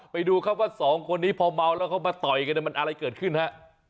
ไปดูครับว่าสองคนนี้พอเมาแล้วเขามาต่อยกันมันอะไรเกิดขึ้นฮะ